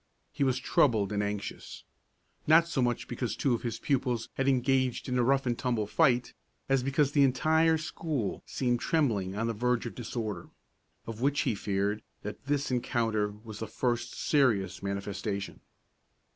He was troubled and anxious, not so much because two of his pupils had engaged in a rough and tumble fight, as because the entire school seemed trembling on the verge of disorder, of which he feared that this encounter was the first serious manifestation.